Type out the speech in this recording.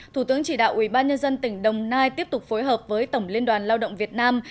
thủ tướng chỉ đạo ubnd tỉnh đồng nai tiếp tục phối hợp với tổng liên đoàn lao động việt nam